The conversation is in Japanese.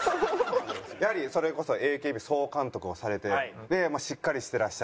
やはりそれこそＡＫＢ総監督をされてでしっかりしてらっしゃる。